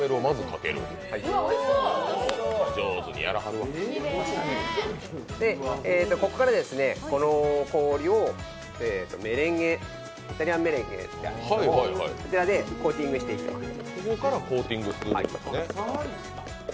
上手にやらはるわここからこの氷をイタリアンメレンゲ、こちらでコーティングしていきます。